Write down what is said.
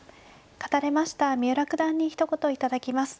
勝たれました三浦九段にひと言頂きます。